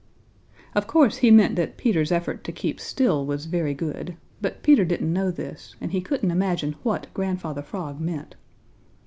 Of course he meant that Peter's effort to keep still was very good, but Peter didn't know this, and he couldn't imagine what Grandfather Frog meant.